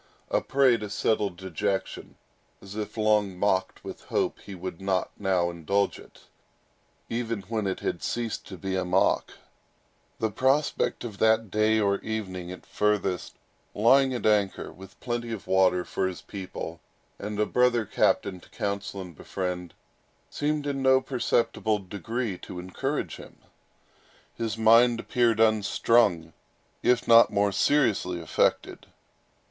A prey to settled dejection, as if long mocked with hope he would not now indulge it, even when it had ceased to be a mock, the prospect of that day, or evening at furthest, lying at anchor, with plenty of water for his people, and a brother captain to counsel and befriend, seemed in no perceptible degree to encourage him. His mind appeared unstrung, if not still more seriously affected.